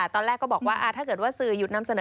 ตอนแรกก็บอกว่าถ้าเกิดว่าสื่อหยุดนำเสนอ